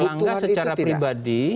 erlangga secara pribadi